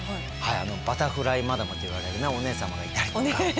バタフライ・マダムと言われるお姉様がいたりとか。